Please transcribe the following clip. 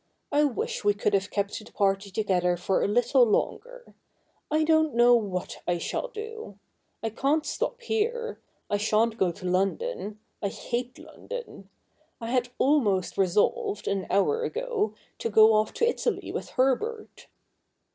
I wish we could have kept the party together for a little longer. I don't know what I shall do. I can't stop here ; I shan't go to London — I hate London. I had almost resolved, an hour ago, to go off to Italy with Herbert.'